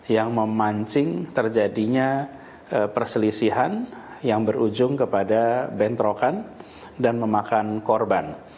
yang memancing terjadinya perselisihan yang berujung kepada bentrokan dan memakan korban